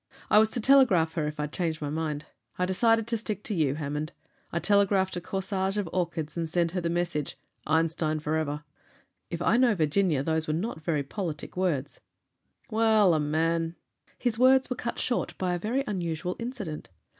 I was to telegraph her if I'd changed my mind. I decided to stick to you, Hammond. I telegraphed a corsage of orchids, and sent her the message, 'Einstein forever!'" "If I know Virginia, those were not very politic words." "Well, a man "His words were cut short by a very unusual incident.